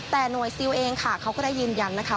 แต่หน่วยซิลเองค่ะเขาก็ได้ยืนยันนะคะ